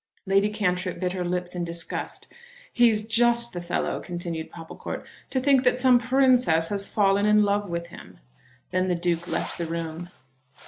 Lady Cantrip bit her lips in disgust. "He's just the fellow," continued Popplecourt, "to think that some princess has fallen in love with him." Then the Duke left the room.